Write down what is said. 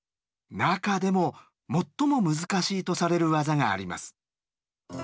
中でも最も難しいとされる技があります。